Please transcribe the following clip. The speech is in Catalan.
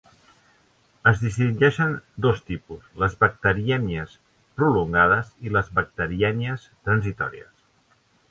Es distingeixen dos tipus: les bacterièmies prolongades i les bacterièmies transitòries.